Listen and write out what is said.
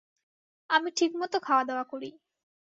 আমি ঠিকমত খাওয়া দাওয়া করি।